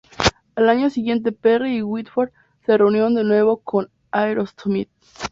Al año siguiente Perry y Whitford se reunieron de nuevo con Aerosmith.